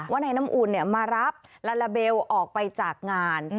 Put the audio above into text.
ว่านายน้ำอุ่นมารับลาลาเบลออกไปจากงาน